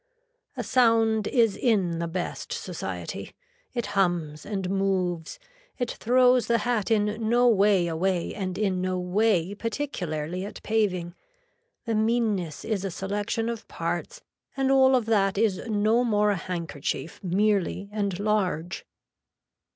A sound is in the best society. It hums and moves, it throws the hat in no way away and in no way particularly at paving. The meanness is a selection of parts and all of that is no more a handkerchief merely and large.